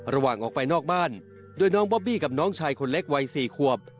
ระหว่างออกไปนอกบ้านโดยน้องบอบบี้กับน้องชายคนเล็กวัย๔ขวบ